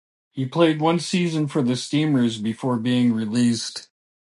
He played one season for the Steamers before being released.